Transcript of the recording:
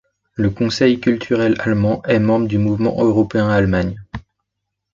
Le Conseil culturel allemand est membre du Mouvement européen-Allemagne.